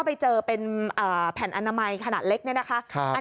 ไปเจอเป็นแผ่นอนามัยขนาดเล็กเนี่ยนะคะ